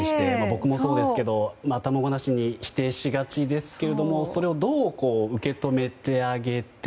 僕もそうですけど頭ごなしに否定しがちですけれどもそれをどう受け止めてあげて。